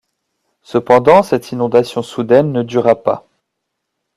Cependant, cette inondation soudaine ne dura pas.